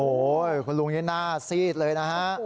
โอ้โหคุณลุงนี่หน้าซีดเลยนะฮะ